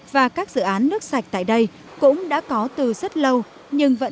và các dự án nước sạch tại đây cũng đã có từ rất lâu